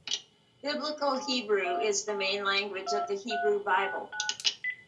Biblical Hebrew is the main language of the Hebrew Bible.